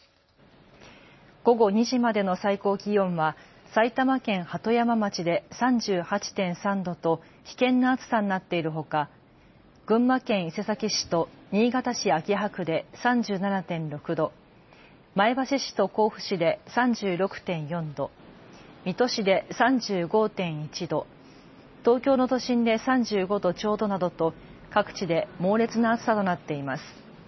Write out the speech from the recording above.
午後２時までの最高気温は埼玉県鳩山町で３８．３度と危険な暑さになっているほか群馬県伊勢崎市と新潟市秋葉区で３７．６度、前橋市と甲府市で３６．４度、水戸市で３５．１度、東京の都心で３５度ちょうどなどと各地で猛烈な暑さとなっています。